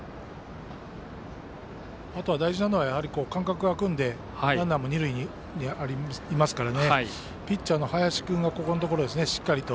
あと、大事なのは間隔が空くのでランナーも二塁にいますからピッチャーの林君がここのところしっかりと。